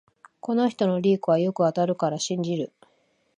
この人のリークはよく当たるから信じる